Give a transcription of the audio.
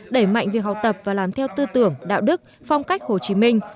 đẩy mạnh việc học tập và làm theo tư tưởng đạo đức phong cách hồ chí minh